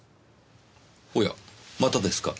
おやまたですか。